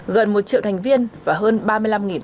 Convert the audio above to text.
gần một triệu thành viên và hơn ba mươi năm tình nguyện